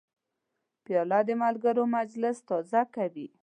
پیاله د ملګرو مجلس تازه کوي.